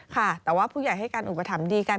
ค่ะแต่ว่าผู้ใหญ่ให้การอุปถัมภ์ดีกัน